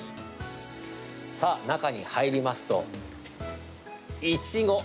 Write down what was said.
さあ、中に入りますとイチゴ。